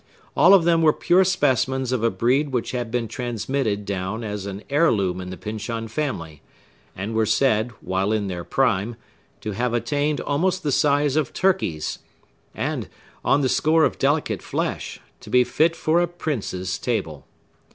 All of them were pure specimens of a breed which had been transmitted down as an heirloom in the Pyncheon family, and were said, while in their prime, to have attained almost the size of turkeys, and, on the score of delicate flesh, to be fit for a prince's table.